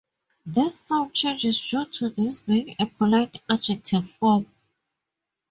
This sound change is due to this being a polite adjective form.